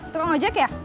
tunggu ojak ya